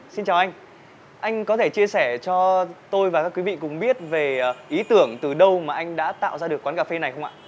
xin chào anh anh có thể chia sẻ cho tôi và các quý vị cùng biết về ý tưởng từ đâu mà anh đã tạo ra được quán cà phê này không ạ